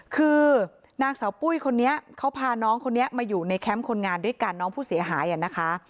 คือนางสาวปุ้ยคนนี้เขาพาน้องคนนี้มาอยู่ในแคมป์คนงานด้วยกันน้องผู้เสียหายนะคะ